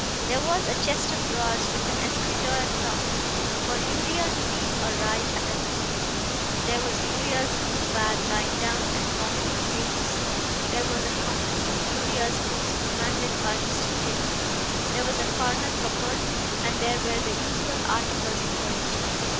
There was a chest of drawers with an escritoire top, for Uriah to read or write at of an evening; there was Uriah's blue bag lying down and vomiting papers; there was a company of Uriah's books commanded by Mr. Tidd; there was a corner cupboard: and there were the usual articles of furniture.